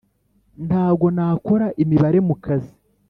Ntago nakora imibare mu kazi